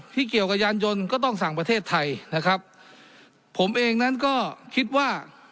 เกี่ยวกับยานยนต์ก็ต้องสั่งประเทศไทยนะครับผมเองนั้นก็คิดว่า